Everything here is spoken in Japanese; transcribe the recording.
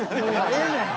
ええねん。